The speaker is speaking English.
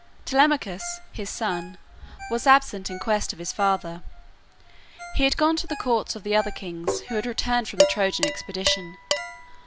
Telemachus, his son, was absent in quest of his father. He had gone to the courts of the other kings, who had returned from the Trojan expedition.